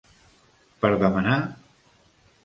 Per demanar??